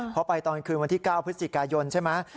เพราะไปตอนคืนวันที่๙พฤศจิกายนใช่ไหม